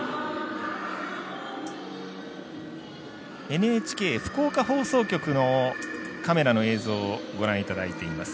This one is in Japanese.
ＮＨＫ福岡放送局のカメラの映像をご覧いただいています。